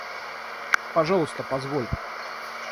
Пожалуйста, позволь!